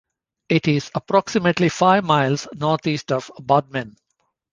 It is approximately five miles northeast of Bodmin.